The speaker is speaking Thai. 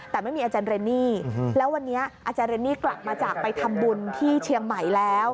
แต่ไม่มีอาจารย์เรนนี่แล้ววันนี้อาจารย์เรนนี่กลับมาจากไปทำบุญที่เชียงใหม่แล้ว